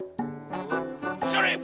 それ！